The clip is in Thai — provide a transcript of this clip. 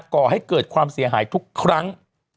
ก่อให้เกิดความเสียหายทุกครั้ง